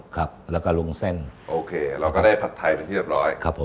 ครับแล้วก็ลุงเส้นโอเคเราก็ได้ผัดไทยเป็นที่เรียบร้อยครับผม